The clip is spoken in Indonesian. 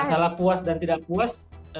masalah puas dan tidak puas